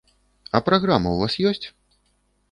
А праграма ў вас ёсць?